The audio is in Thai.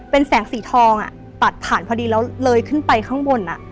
เป็นแสงสีทองตัดผ่านพอดีแล้วเลยขึ้นไปข้างบน